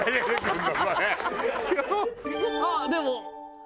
あっでも。